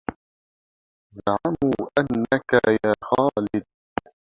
زعموا أنك يا خالد